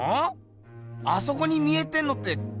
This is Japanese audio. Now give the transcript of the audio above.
あそこに見えてんのって土手？